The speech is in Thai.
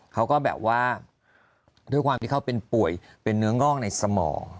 เขาก็แบบว่าด้วยความที่เขาเป็นป่วยเป็นเนื้องอกในสมอง